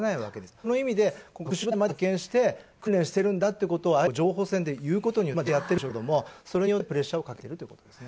その意味で今回、特殊部隊まで派遣して訓練してるんだっていうことをあえて情報戦で言うことによって実際やってるんでしょうけども、それによってプレッシャーをかけてるということですね。